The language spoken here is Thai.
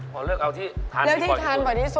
พอเลือกเอาที่ทานที่บ่อยกันก่อน